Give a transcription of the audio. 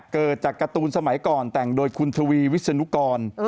เกิดจากการ์ตูนสมัยก่อนแต่งโดยคุณทวีวิศนุกร